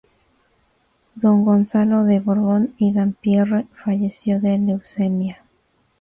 Don Gonzalo de Borbón y Dampierre falleció de leucemia.